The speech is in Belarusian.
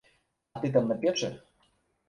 А ты там на печы?